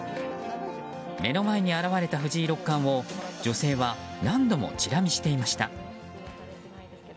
目の前に現れた藤井六冠を女性は何度もチラ見していました。